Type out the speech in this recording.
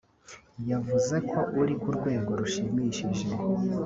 yavuze ko uri ku rwego rushimishije